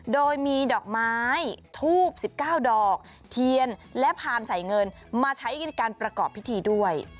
โดยมีดอกไม้ทูบ๑๙ดอกเทียนและพานใส่เงินมาใช้ในการประกอบพิธีด้วย